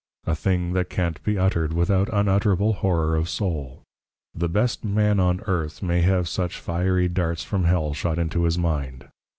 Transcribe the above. a thing that can't be uttered, without unutterable Horror of Soul. The best man on earth, may have such Fiery Darts from Hell shot into his mind.